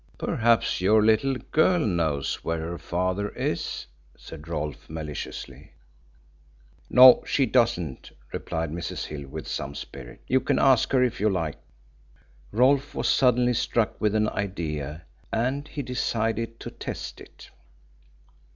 "Perhaps your little girl knows where her father is," said Rolfe maliciously. "No, she doesn't," replied Mrs. Hill with some spirit. "You can ask her if you like." Rolfe was suddenly struck with an idea and he decided to test it.